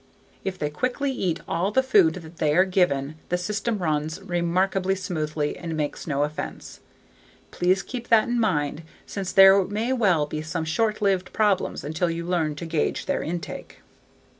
_ If they quickly eat all the food that they are given the system runs remarkably smoothly and makes no offense. Please keep that in mind since there may well be some short lived problems until you learn to gauge their intake.